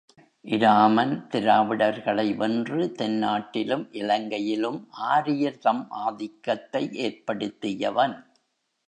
இராமன் திராவிடர்களை வென்று, தென்னாட்டிலும் இலங்கையிலும் ஆரியர் தம் ஆதிக்கத்தை ஏற்படுத்தியவன்.